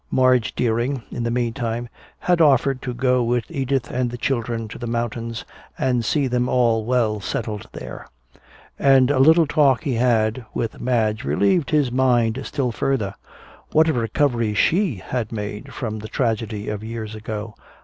Madge Deering, in the meantime, had offered to go with Edith and the children to the mountains and see them all well settled there. And a little talk he had with Madge relieved his mind still further. What a recovery she had made from the tragedy of years ago.